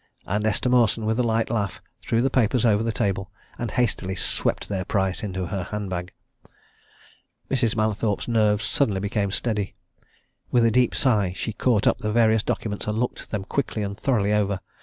And Esther Mawson, with a light laugh, threw the papers over the table, and hastily swept their price into her handbag. Mrs. Mallathorpe's nerves suddenly became steady. With a deep sigh she caught up the various documents and looked them quickly and thoroughly over.